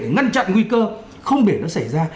ngăn chặn nguy cơ không để nó xảy ra